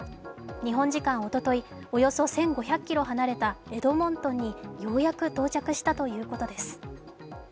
日本時間おととい、およそ１５００ｋｍ離れたエドモントンにようやく到着したということです。